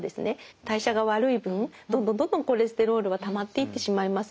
代謝が悪い分どんどんどんどんコレステロールはたまっていってしまいます。